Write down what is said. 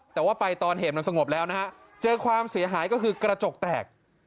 แต่ว่าไปตอนเหตุมันสงบแล้วนะฮะเจอความเสียหายก็คือกระจกแตก